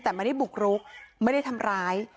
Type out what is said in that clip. แต่ไม่ได้บุกรุกไม่ได้ทำร้าย